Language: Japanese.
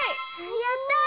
やったぁ！